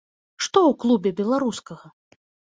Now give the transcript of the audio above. Што ў клубе беларускага?